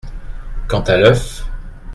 Quant à l’œuf !…